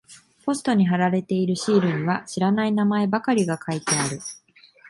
ポストに貼られているシールには知らない名前ばかりが書いてある。